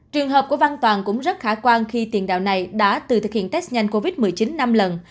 trường hợp của văn toàn cũng rất khả quan khi tiền đạo này đã từ thực hiện test nhanh covid một mươi chín năm lần